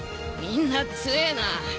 みんな強えな。